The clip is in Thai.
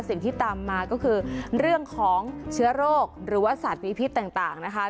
สิ่งที่ตามมาก็คือเรื่องของเชื้อโรคหรือว่าสัตว์มีพิษต่างนะคะ